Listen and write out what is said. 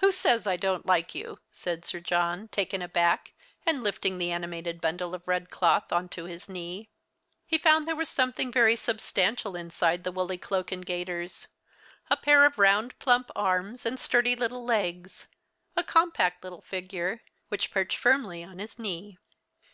"Who says I don't like you?" said Sir John, taken aback, and lifting the animated bundle of red cloth on to his knee. He found there was something very substantial inside the wooly cloak and gaiters: a pair of round plump arms and sturdy little legs, a compact little figure which perched firmly on his knee.